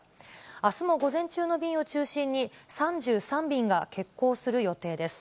あすも午前中の便を中心に、３３便が欠航する予定です。